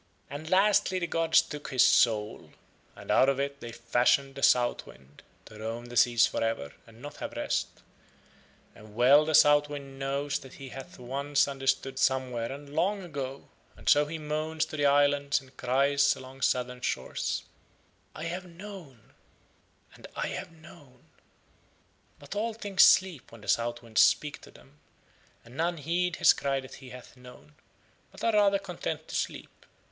And lastly the gods took his soul, and out of it They fashioned the South Wind to roam the seas for ever and not have rest; and well the South Wind knows that he hath once understood somewhere and long ago, and so he moans to the islands and cries along southern shores, "I have known," and "I have known." But all things sleep when the South Wind speaks to them and none heed his cry that he hath known, but are rather content to sleep.